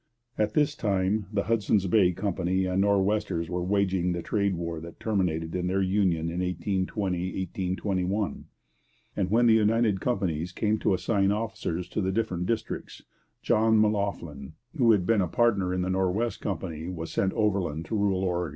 At this time the Hudson's Bay Company and the Nor'westers were waging the trade war that terminated in their union in 1820 1821; and when the united companies came to assign officers to the different districts, John M'Loughlin, who had been a partner in the North West Company, was sent overland to rule Oregon.